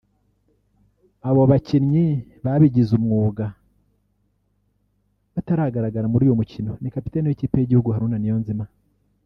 Abo bakinnyi babigize umwuga batagaragara muri uyu mukino ni capiteni w’ikipe y’igihugu Haruna Niyonzima